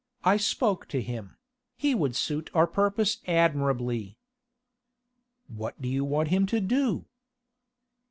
I spoke to him ... he would suit our purpose admirably." "What do you want him to do?"